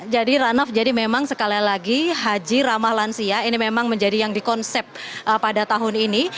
jadi ranaf jadi memang sekali lagi haji ramah lansia ini memang menjadi yang di konsep pada tahun ini